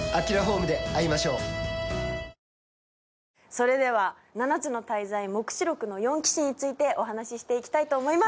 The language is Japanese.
それでは「七つの大罪黙示録の四騎士」についてお話ししていきたいと思います